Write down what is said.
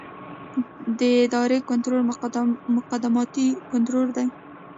د ادارې کنټرول مقدماتي کنټرول دی.